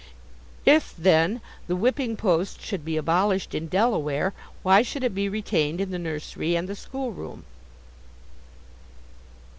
If, then, the whipping post should be abolished in Delaware, why should it be retained in the nursery and the school room?